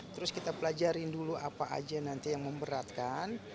terus kita pelajarin dulu apa aja nanti yang memberatkan